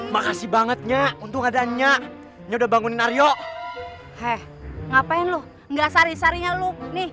makasih bangetnya untuk adanya sudah bangunin aryo ngapain lu enggak sari sari nya lu nih